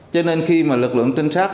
cho nên khi mà lực lượng trinh sát